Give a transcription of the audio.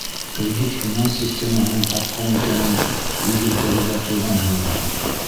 Кредит-финанс системаһының ҡапҡан икәнен үҙ елкәгеҙҙә тойғанһығыҙҙыр.